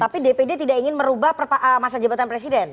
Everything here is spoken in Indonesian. tapi dpd tidak ingin merubah masa jabatan presiden